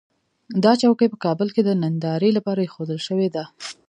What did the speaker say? دا چوکۍ په کابل کې د نندارې لپاره اېښودل شوې ده.